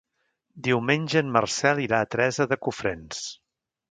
Diumenge en Marcel irà a Teresa de Cofrents.